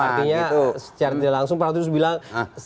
artinya secara tidak langsung pak attris bilang